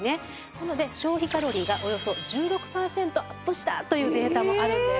なので消費カロリーがおよそ１６パーセントアップしたというデータもあるんです。